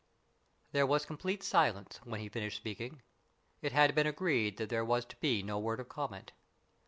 There was complete silence when he finished speaking. It had been agreed that there was to be no word of comment.